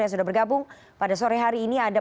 yang sudah bergabung pada sore hari ini ada